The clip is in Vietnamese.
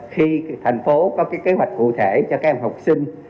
khi thành phố có kế hoạch cụ thể cho các em học sinh